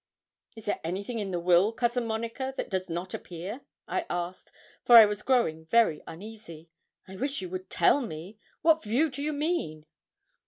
'Is there anything in the will, Cousin Monica, that does not appear?' I asked, for I was growing very uneasy. 'I wish you would tell me. What view do you mean?'